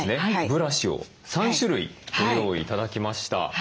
ブラシを３種類ご用意頂きました。